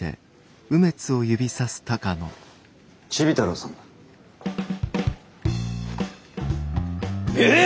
チビ太郎さんだ。え！